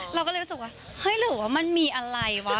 เราก็เลยรู้สึกว่าเฮ้ยหรือว่ามันมีอะไรวะ